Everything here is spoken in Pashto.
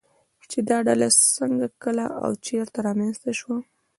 چې دا ډله څنگه، کله او چېرته رامنځته شوه